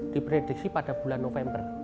diprediksi pada bulan november